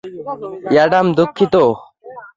Adam, দুঃখিত।